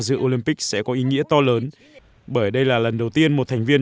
dự olympic sẽ có ý nghĩa to lớn bởi đây là lần đầu tiên một thành viên